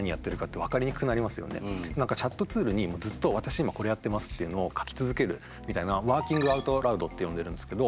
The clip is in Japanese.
そうするとチャットツールにずっと「わたし今これやってます！」っていうのを書き続けるみたいなワーキング・アウト・ラウドって呼んでるんですけど